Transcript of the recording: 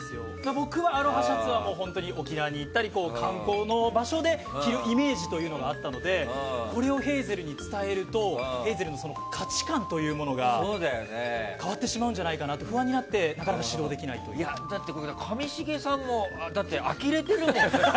僕はアロハシャツは本当に沖縄に行ったり観光の場所で着るイメージというのがあったのでこれをヘイゼルに伝えるとヘイゼルの価値観というものが変わってしまうんじゃないかと不安になってだって上重さんもあきれてるもんね。